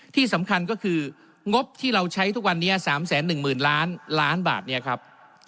ที่สำคัญก็คืองบที่เราใช้ทุกวันนี้๓๑๐๐๐ล้านล้านบาทเนี่ยครับ